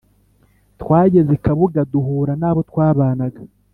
twageze i Kabuga duhura n’abo twabanaga